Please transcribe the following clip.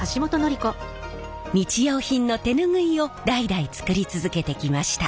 日用品の手ぬぐいを代々作り続けてきました。